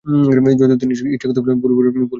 যদিও তিনি ইচ্ছাকৃতভাবে ভুল বিবরণ দিতেন না।